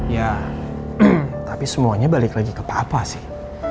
ya tapi semuanya balik lagi ke papa sih